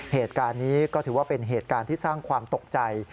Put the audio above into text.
เหตุการณ์นี้ก็ถือว่าเป็นเหตุการณ์ที่สร้างความตกใจ